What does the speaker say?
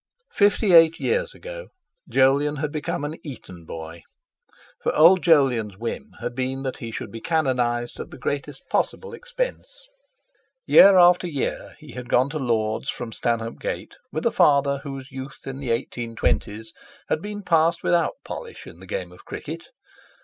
Fifty eight years ago Jolyon had become an Eton boy, for old Jolyon's whim had been that he should be canonised at the greatest possible expense. Year after year he had gone to Lord's from Stanhope Gate with a father whose youth in the eighteen twenties had been passed without polish in the game of cricket.